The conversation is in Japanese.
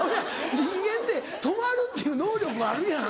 人間って止まるっていう能力あるやん。